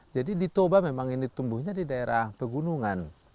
jadi di toba memang ini tumbuhnya di daerah pegunungan